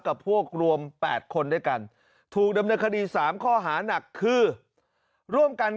กับพวกรวม๘คนด้วยกันถูกดำเนินคดี๓ข้อหานักคือร่วมกัน